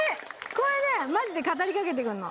これねマジで語りかけてくんの。